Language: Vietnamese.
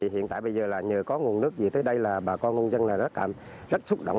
hiện tại bây giờ là nhờ có nguồn nước gì tới đây là bà con ngôn dân là rất cảm rất xúc động